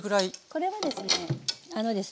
これはですねあのですね